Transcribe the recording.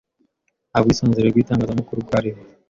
Nta bwisanzure bw'itangazamakuru bwariho.